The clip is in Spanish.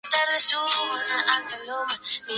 Inspirada en un hecho real.